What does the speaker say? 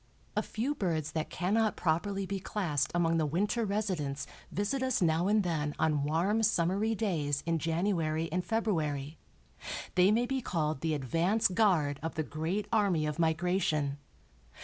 A few birds that cannot properly be classed among the winter residents visit us now and then on warm summery days in January and February; they may be called the advance guard of the great army of migration.